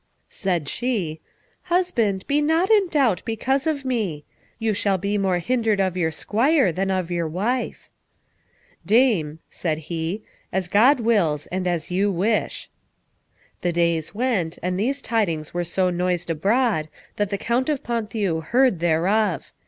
Said she, "Husband, be not in doubt because of me. You shall be more hindered of your squire than of your wife." "Dame," said he, "as God wills and as you wish." The days went, and these tidings were so noised abroad that the Count of Ponthieu heard thereof.